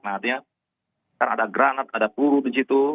nah artinya kan ada granat ada peluru di situ